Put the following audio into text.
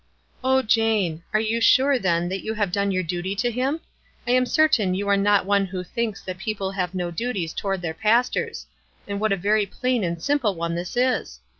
" O Jane ! Are you sure, then, that you have done your duty to him ? I am certain you are not one who thinks that people have no duties toward their pastors ; and what a very plain and simple one this is